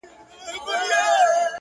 دعا ګوی وي د زړو کفن کښانو.!.!